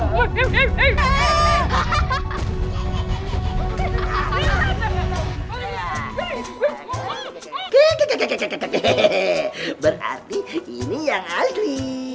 berarti ini yang asli